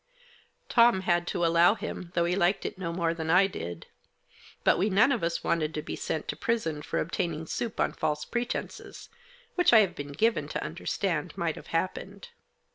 Tom had to allow him, though he liked it no more than I did. But we none of us wanted to be sent to prison for obtaining soup on false pretences, which I have been given to understand might have happened.